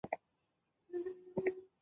而其他哺乳动物则形状形态各不相同。